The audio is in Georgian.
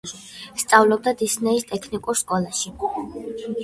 სწავლობდა სიდნეის ტექნიკურ სკოლაში.